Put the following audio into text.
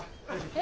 え？